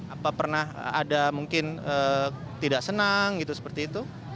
apa pernah ada mungkin tidak senang gitu seperti itu